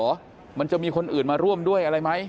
มันจะมีคนอื่นมาร่วมด้วยอะไรไหม